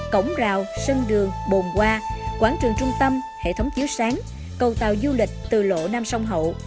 cổng rào sân đường bồn qua quảng trường trung tâm hệ thống chiếu sáng cầu tàu du lịch từ lộ nam sông hậu